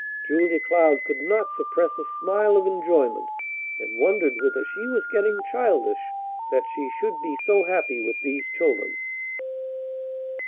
Julia Cloud could not suppress a smile of enjoyment, and wondered whether she was getting childish that she should be so happy with these children.